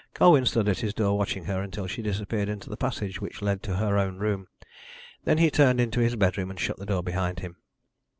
Colwyn stood at his door watching her until she disappeared into the passage which led to her own room. Then he turned into his bedroom and shut the door behind him.